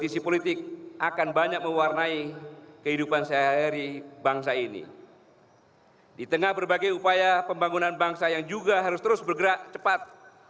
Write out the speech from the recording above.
saya berbagi upaya pembangunan bangsa yang juga harus terus bergerak cepat